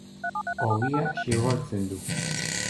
Ogia xigortzen du.